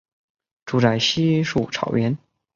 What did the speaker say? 住在稀树草原。